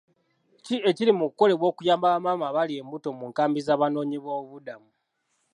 Ki ekiri mu ku kolebwa okuyamba ba maama abali embuto mu nkambi z'abanoonyi b'obubuddamu?